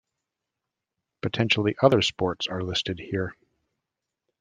Potentially other sports are listed here.